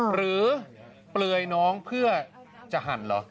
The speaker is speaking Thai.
หรือเปลือนน้องเพื่อจะหันหรอ